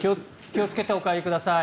気をつけてお帰りください。